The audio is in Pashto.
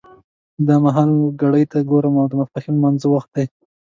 دا مهال ګړۍ ته ګورم او د ماسپښین د لمانځه وخت دی.